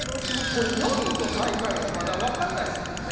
これ４位と最下位がまだ分かんないですもんね。